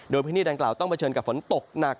โดยพื้นที่ดังกล่าวต้องเผชิญกับฝนตกหนัก